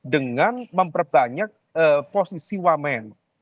dengan memperbanyak posisi wamen